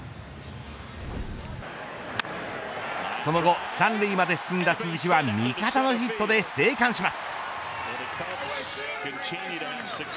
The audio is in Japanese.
その後、３塁まで進んだ鈴木は味方のヒットで生還します。